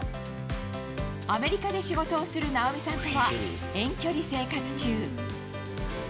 アメリカで仕事をするナオミさんとは遠距離生活中。